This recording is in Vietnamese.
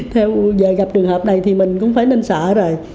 theo giờ gặp trường hợp này thì mình cũng phải lên sợ rồi